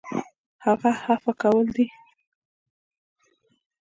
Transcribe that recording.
هغه عفوه کول دي .